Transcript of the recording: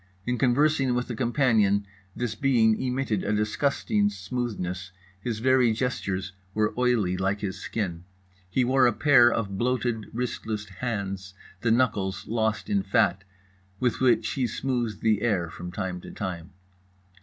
In conversing with a companion this being emitted a disgusting smoothness, his very gestures were oily like his skin. He wore a pair of bloated wristless hands, the knuckles lost in fat, with which he smoothed the air from time to time.